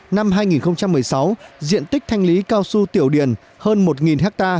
năm hai nghìn một mươi sáu diện tích thanh lý cao su tiểu điền hơn một ha